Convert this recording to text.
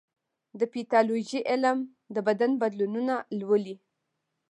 د پیتالوژي علم د بدن بدلونونه لولي.